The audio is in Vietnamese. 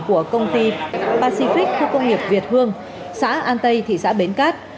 của công ty pacific khu công nghiệp việt hương xã an tây thị xã bến cát